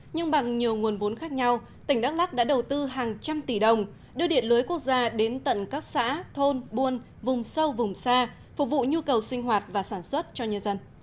nhưng bằng nhiều nguồn vốn khác nhau tỉnh đắk lắc đã đầu tư hàng trăm tỷ đồng đưa điện lưới quốc gia đến tận các xã thôn buôn vùng sâu vùng xa phục vụ nhu cầu sinh hoạt và sản xuất cho nhân dân